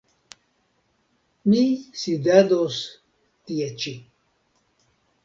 Mi sidados tie ĉi.